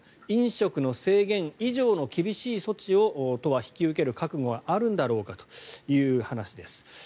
飲食の制限以上の厳しい措置を都は引き受ける覚悟はあるんだろうかということです。